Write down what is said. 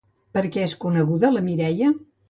Per què és coneguda la Mireia?